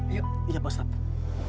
iya pak ustadz